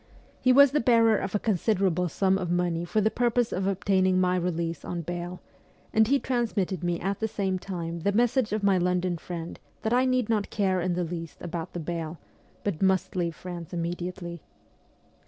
He was the bearer of a considerable sum of money for the purpose of obtaining my release on bail, and he transmitted me at the same time the message of my London friend that I need not care in the least about the bail, but must leave France immediately.